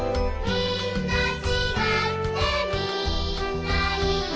「みんなちがってみんないい」